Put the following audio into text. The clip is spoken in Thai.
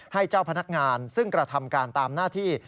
ให้เจ้าพนักงานซึ่งกระทำการตามหน้าที่